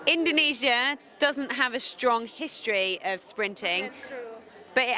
indonesia tidak memiliki sejarah yang kuat untuk mencari atlet